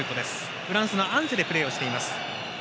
フランスのアンジェでプレーしています。